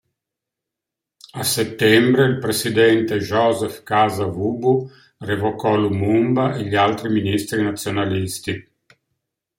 A settembre, il presidente Joseph Kasa-Vubu revocò Lumumba e gli altri ministri nazionalisti.